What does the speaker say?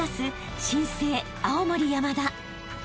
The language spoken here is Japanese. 新生青森山田］